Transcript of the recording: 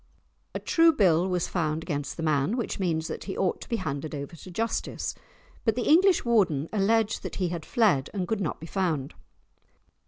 A "true bill" was found against the man, which means that he ought to be handed over to justice. But the English Warden alleged that he had fled, and could not be found.